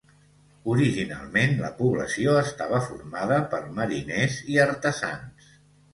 Originalment, la població estava formada per mariners i artesans.